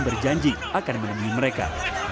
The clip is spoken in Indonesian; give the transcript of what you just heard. berjanji akan menemani mereka